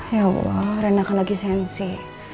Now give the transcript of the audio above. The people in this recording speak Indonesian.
ya allah reyna kan lagi sensi